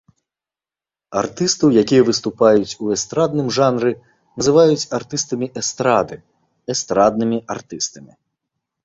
Артыстаў, якія выступаюць у эстрадным жанры, называюць артыстамі эстрады, эстраднымі артыстамі.